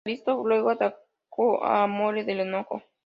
Kalisto luego atacó a Amore del enojo.